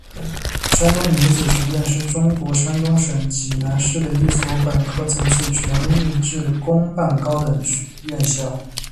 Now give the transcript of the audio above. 山东女子学院是中国山东省济南市的一所本科层次全日制公办高等院校。